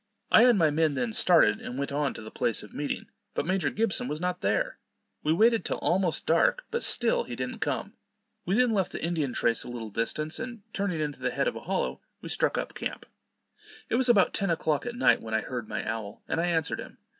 I and my men then started, and went on to the place of meeting, but Major Gibson was not there. We waited till almost dark, but still he didn't come. We then left the Indian trace a little distance, and turning into the head of a hollow, we struck up camp. It was about ten o'clock at night, when I heard my owl, and I answered him.